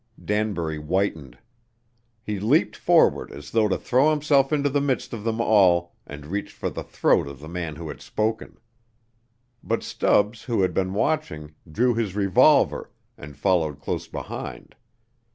Danbury whitened. He leaped forward as though to throw himself into the midst of them all, and reached for the throat of the man who had spoken. But Stubbs who had been watching, drew his revolver, and followed close behind.